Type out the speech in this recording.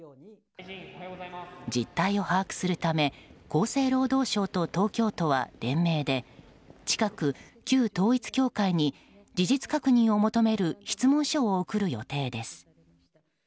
実態を把握するため厚生労働省と東京都は連名で近く、旧統一教会に事実確認を求める質問書を送る予定です。